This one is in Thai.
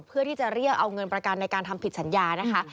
เพื่อที่จะเรียกเอาเงินประกันในการทำผิดสัญญานะคะ